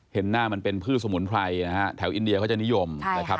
เห็นหน้ามันเป็นพืชสมุนไพรนะฮะแถวอินเดียเขาจะนิยมนะครับ